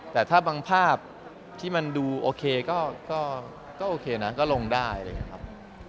แต่ถ้าบางภาพที่มันดูโอเคก็โอเคนะก็ลงได้อะไรอย่างนี้ครับ